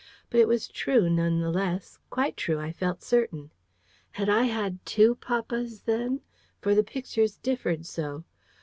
But it was true, none the less: quite true, I felt certain. Had I had two papas, then? for the pictures differed so.